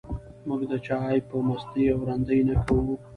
موږ د چا عیب په مستۍ او رندۍ نه کوو.